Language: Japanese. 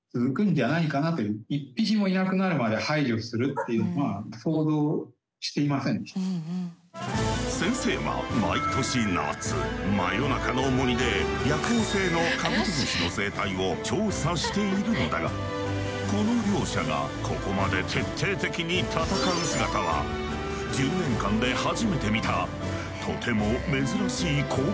戦い開始から先生は毎年夏真夜中の森で夜行性のカブトムシの生態を調査しているのだがこの両者がここまで徹底的に戦う姿は１０年間で初めて見たとても珍しい光景だという。